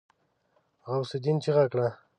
غوث االدين چيغه کړه.